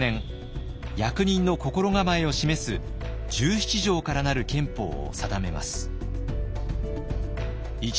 役人の心構えを示す１７条から成る憲法を定めます。